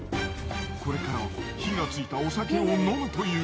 これから火がついたお酒を飲むという。